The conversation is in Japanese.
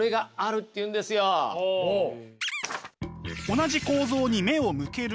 「同じ構造に目を向ける」。